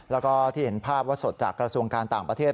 แล้วก็ที่เห็นภาพว่าสดจากกระทรวงการต่างประเทศ